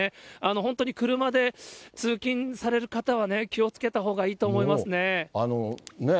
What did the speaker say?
本当に車で通勤される方は、気をつけたほうがいいと思いますね。